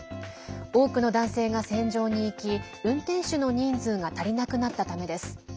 多くの男性が戦場に行き運転手の人数が足りなくなったためです。